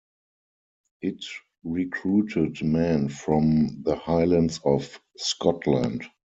It recruited men from the Highlands of Scotland.